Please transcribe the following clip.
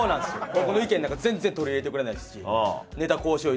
僕の意見なんか全然取り入れてくれないですし「ネタこうしよう」